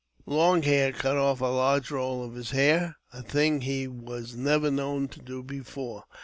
Long Hair cut off a large roll of his hair, a thing he .vas never known to do before.